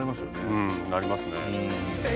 うんなりますね。